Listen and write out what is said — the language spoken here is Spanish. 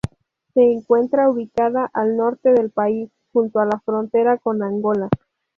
Se encuentra ubicada al norte del país, junto a la frontera con Angola.